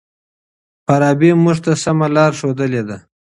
فارابي موږ ته سمه لار ښودلې ده.